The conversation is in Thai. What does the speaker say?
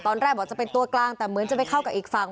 ตอนแรกบอกจะเป็นตัวกลางแต่เหมือนจะไปเข้ากับอีกฝั่ง